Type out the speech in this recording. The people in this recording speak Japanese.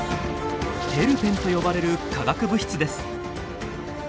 テルペンと呼ばれる化学物質です。